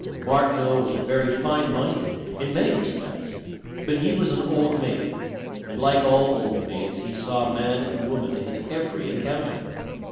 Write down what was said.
Martineau was very fine minded in many respects, but he was an old maid; and like all old maids he saw man and woman in every encounter.